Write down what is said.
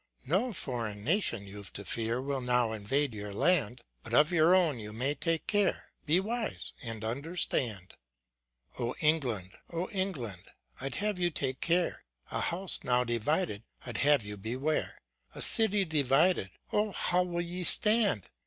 No foreign nation you've to fear Will now invade your land ; But of your own you may take careŌĆö Be wise, and understand. O England, O England, I'd have you take carcj A home now divided I'd have y< >u beware ; A city divided, oh ! hv>w will ye stand